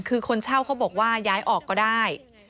คือคนเช่าเขาบอกว่าย้ายออกก็ได้